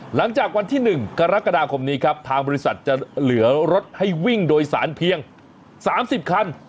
หลังจากวันที่๑กรกฎาคมนี้ครับทางบริษัทจะเหลือรถให้วิ่งโดยสารเพียง๓๐คัน